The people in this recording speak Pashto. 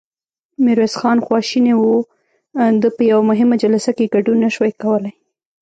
ميرويس خان خواشينی و، ده په يوه مهمه جلسه کې ګډون نه شوای کولای.